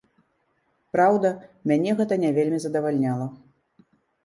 Праўда, мяне гэта не вельмі задавальняла.